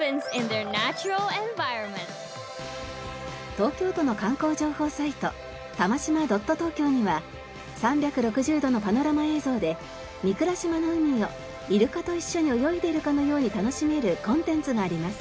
東京都の観光情報サイトＴＡＭＡＳＨＩＭＡ．ｔｏｋｙｏには３６０度のパノラマ映像で御蔵島の海をイルカと一緒に泳いでいるかのように楽しめるコンテンツがあります。